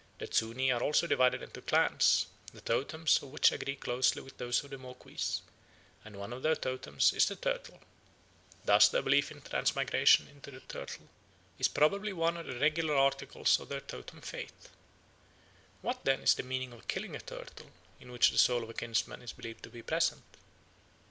The Zuni are also divided into clans, the totems of which agree closely with those of the Moquis, and one of their totems is the turtle. Thus their belief in transmigration into the turtle is probably one of the regular articles of their totem faith. What then is the meaning of killing a turtle in which the soul of a kinsman is believed to be present?